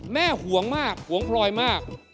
ห่วงมากห่วงพลอยมาก